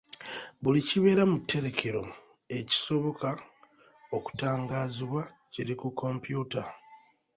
Buli kibeera mu tterekero ekisoboka okutangaazibwa kiri ku kompyuta.